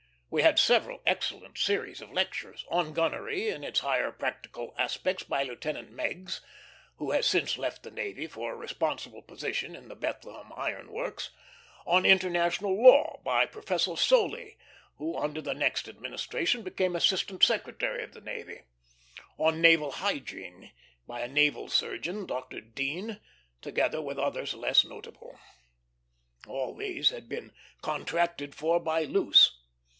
We had several excellent series of lectures: on Gunnery in its higher practical aspects, by Lieutenant Meigs, who has since left the navy for a responsible position in the Bethlehem Iron Works; on International Law, by Professor Soley, who under the next administration became Assistant Secretary of the Navy; on Naval Hygiene, by a naval surgeon, Dr. Dean; together with others less notable. All these had been contracted for by Luce.